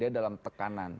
dia dalam tekanan